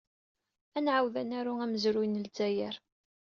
Ad nɛawed ad naru amezruy n Lezzayer.